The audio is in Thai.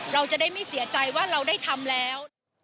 เราจะได้ไม่เสียใจว่าเราได้ทำแล้ว